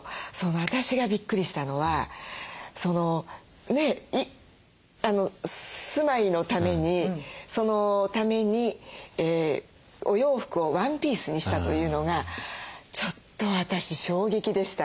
私がびっくりしたのは住まいのためにそのためにお洋服をワンピースにしたというのがちょっと私衝撃でした。